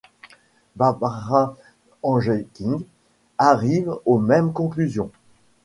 Barbara Engelking arrive aux mêmes conclusions.